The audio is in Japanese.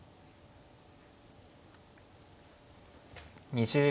２０秒。